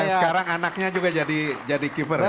sekarang anaknya juga jadi keeper